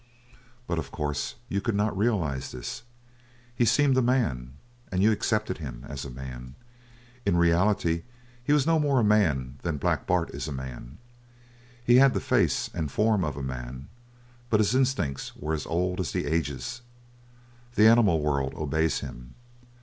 But of course you could not realise this. He seemed a man, and you accepted him as a man. In reality he was no more a man than Black Bart is a man. He had the face and form of a man, but his instincts were as old as the ages. The animal world obeys him.